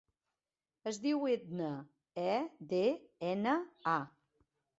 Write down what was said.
Es diu Edna: e, de, ena, a.